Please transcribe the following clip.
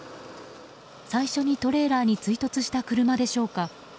最初にトレーラーに追突した車でしょうか。